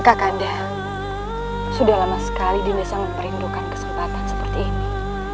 kakanda sudah lama sekali tidak sangat merindukan kesempatan seperti ini